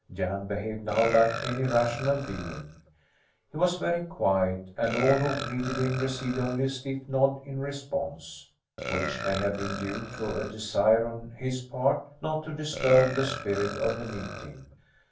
Jan behaved now like any rational being; he was very quiet and all who greeted him received only a stiff nod in response, which may have been due to a desire on his part not to disturb the spirit of the meeting.